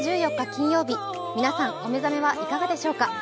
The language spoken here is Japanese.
金曜日、皆さんお目覚めはいかがでしょうか。